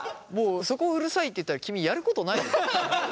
もうそこ「うるさい」って言ったら君やることないよ。